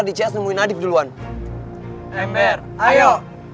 rdcs nemuin nadif duluan lember ayo